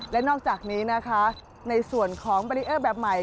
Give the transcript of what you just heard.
และนอกจากนี้นะคะในส่วนของบารีเออร์แบบใหม่